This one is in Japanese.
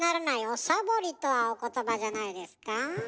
「おサボリ」とはお言葉じゃないですか。